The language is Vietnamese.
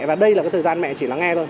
và đây là cái thời gian mẹ chỉ lắng nghe thôi